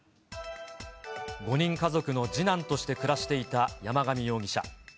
５人家族の次男として暮らしていた山上容疑者。